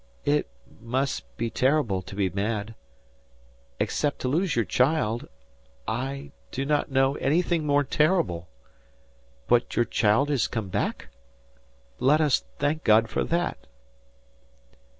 "It must be terrible to be mad. Except to lose your child, I do not know anything more terrible. But your child has come back? Let us thank God for that."